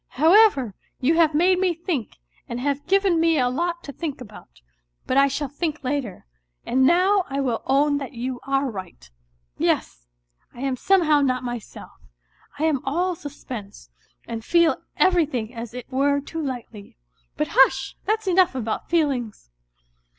However, you have made me think and have given me a lot to think about ; but I shall think later, and now I will own that you are right. Yes, I am somehow not myself; I am all suspense, and feel everything as it were too lightly. But hush ! that's enough about feelings.